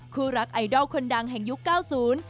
คู่รักไอดอลคนดังแห่งยุคเก้าศูนย์